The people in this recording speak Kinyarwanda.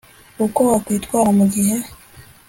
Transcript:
Uko wakwitwara mu gihe